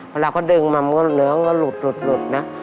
เวลาเขาดึงมามันก็เหลืองก็หลุดนะ